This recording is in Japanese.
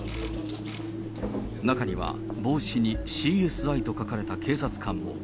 中には帽子にＣＳＩと書かれた警察官も。